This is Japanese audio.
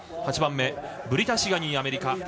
８番目、ブリタ・シガニーアメリカ。